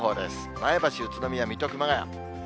前橋、宇都宮、水戸、熊谷。